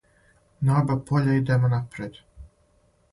На оба поља идемо напред.